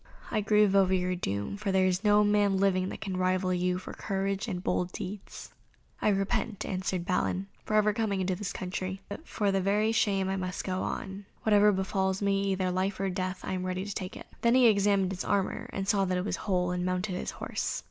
I grieve over your doom, for there is no man living that can rival you for courage and bold deeds." "I repent," answered Balin, "ever having come into this country, but for very shame I must go on. Whatever befalls me, either for life or death, I am ready to take it." Then he examined his armour, and saw that it was whole, and mounted his horse.